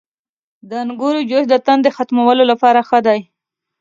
• د انګورو جوس د تندې ختمولو لپاره ښه دی.